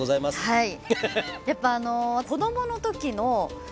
はい。